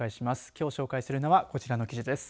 きょう紹介するのはこちらの記事です。